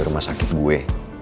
rumah sakit gue